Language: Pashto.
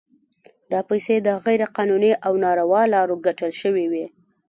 دا پیسې د غیر قانوني او ناروا لارو ګټل شوي وي.